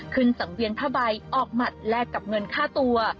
ขึ้นสังเวียนพระบัยออกหมัดแลกกับเงินค่าตัว